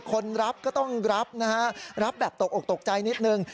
คนรับก็ต้องรับนะฮะรับแบบตกออกตกใจนิดนึง